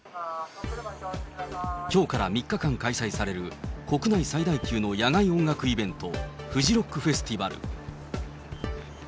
きょうから３日間開催される国内最大級の野外音楽イベント、フジロックフェスティバル。